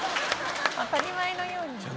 当たり前のように。